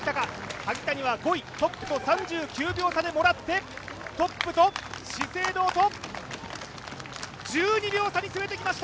萩谷は５位、トップと３９秒差でもらって、トップと、資生堂と１２秒差に詰めてきました！